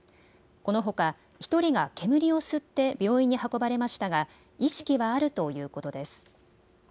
このほか１人が煙を吸って病院に運ばれましたが意識はあるということです。